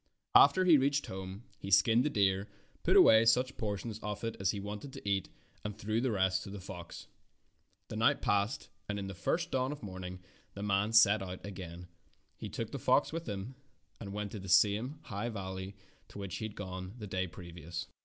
After he reached home he skinned the deer, put away such portions of it as he wanted to eat, and threw the rest to the fox. The night passed, and in the first dawn of morning the man again set out. He took the fox with him and went to the same high valley to which he had gone the day previous.